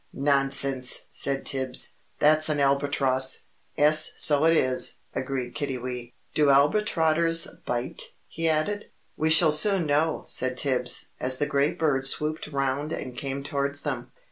"Nonsense!" said Tibbs. "That's an Albatross." "'Es, so it is!" agreed Kiddiwee. "Do Albertroters bite?" he added. "We shall soon know," said Tibbs, as the great bird swooped round and came towards them.